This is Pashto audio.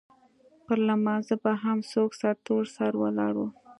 پر لمانځه به هم څوک سرتور سر ولاړ وو.